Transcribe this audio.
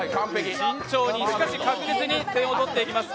慎重に、しかし確実に点を取っていきます。